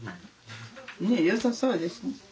ねえよさそうですね。